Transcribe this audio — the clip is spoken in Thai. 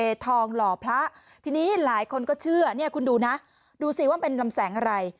ทองหล่อพระทีนี้หลายคนก็เชื่อเนี่ยคุณดูนะดูสิว่าเป็นลำแสงอะไร